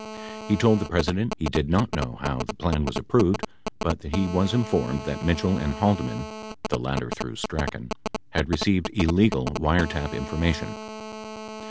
He told the President he did not know how the plan was approved but that he was informed that Mitchell and Halde man (the latter through Strachan) had received illegal wiretap infor mation.